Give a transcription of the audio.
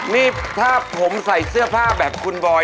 นี่ถ้าผมใส่เสื้อผ้าแบบคุณบอย